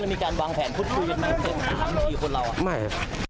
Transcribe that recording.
แล้วมีการวางแผนพูดคุยกันมาเกินสามสี่คนเราไม่